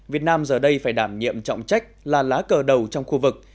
việt nam giờ đây phải đảm nhiệm trọng trách là lá cờ đầu trong khu vực